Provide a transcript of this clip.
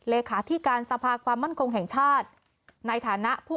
เลขาธิการสภาความมั่นคงแห่งชาติในฐานะผู้